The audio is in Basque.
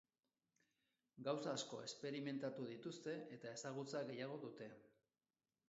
Gauza asko esperimentatu dituzte eta ezagutza gehiago dute.